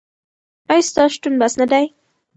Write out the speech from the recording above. ایا ستا شتون بس نه دی؟